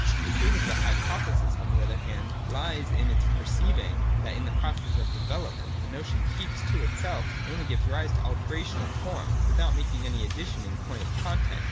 The truth of the hypothesis on the other hand lies in its perceiving that in the process of development the notion keeps to itself and only gives rise to alteration of form, without making any addition in point of content.